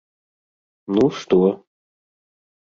- Ну, што?